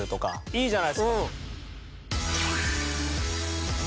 いいじゃないですか！